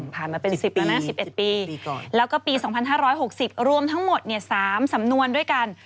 ผ่านมาเป็น๑๐ปีแล้วก็ปี๒๕๖๐รวมทั้งหมด๓สำนวนด้วยกัน